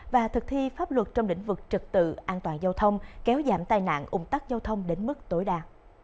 và thực thi pháp luật trong lĩnh vực trực tự an toàn giao thông kéo giảm tai nạn ủng tắc giao thông đến mức tối đa